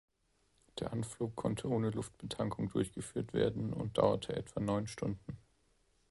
Der Anflug konnte ohne Luftbetankung durchgeführt werden und dauerte etwa neun Stunden.